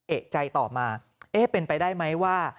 เอกใจต่อมาเอ๊ะเป็นไปได้ไหมว่า